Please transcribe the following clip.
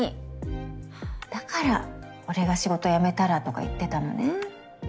はぁだから俺が仕事辞めたらとか言ってたのね。